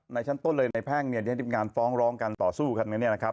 ชั้นต้นเลยในแพ่งเนี่ยได้มีการฟ้องร้องกันต่อสู้กันเนี่ยนะครับ